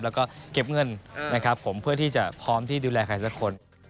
แล้วก็เก็บเงินนะครับผมเพื่อที่จะพร้อมที่ดูแลใครสักคน